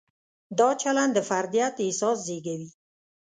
دا چلند د فردیت احساس زېږوي.